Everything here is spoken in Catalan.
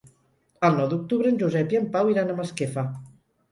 El nou d'octubre en Josep i en Pau iran a Masquefa.